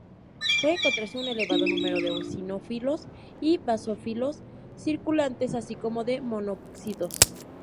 Puede encontrarse un elevado número de eosinófilos y basófilos circulantes así como de monocitos.